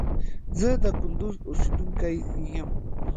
زه د کندوز اوسیدونکي یم